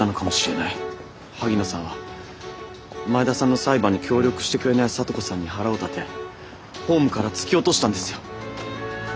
萩野さんは前田さんの裁判に協力してくれない咲都子さんに腹を立てホームから突き落としたんですよ。